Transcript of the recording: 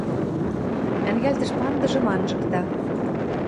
Ӓнгӓлтӹш пандыжым анжыкта.